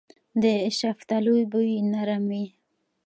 د شفتالو بوی نرم وي.